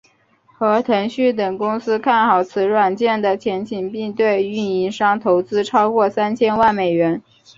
和腾讯等公司看好此软件的前景并对运营商投资超过三千万美元。